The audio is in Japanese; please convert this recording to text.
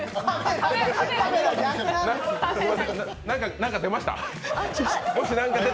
何か出ました？